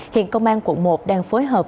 hiện công an quận một đang phối hợp